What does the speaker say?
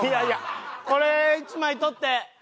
これ１枚撮って！